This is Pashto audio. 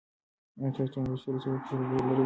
آیا تاسو د مرستې رسولو تجربه لرئ؟